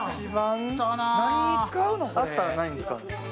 あったら何に使うんですか？